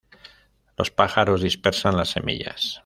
Los pájaros dispersan las semillas.